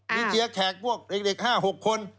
มีเชียร์แขกพวกเด็ก๕๖คน